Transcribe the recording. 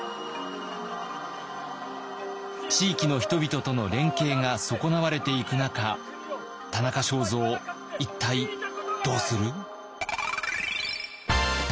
地域の人々との連携が損なわれていく中田中正造一体どうする？